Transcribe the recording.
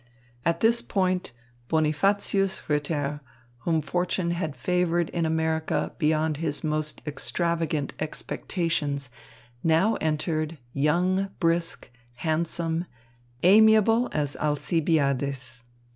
At this point Bonifacius Ritter, whom fortune had favoured in America beyond his most extravagant expectations, now entered, young, brisk, handsome, amiable as Alcibiades.